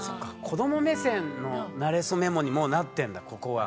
子ども目線の「なれそメモ」にもうなってんだここは。